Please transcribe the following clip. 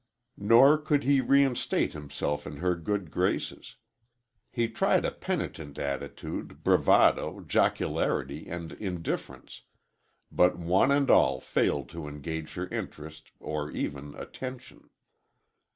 Nor could he reinstate himself in her good graces. He tried a penitent attitude, bravado, jocularity and indifference, but one and all failed to engage her interest or even attention.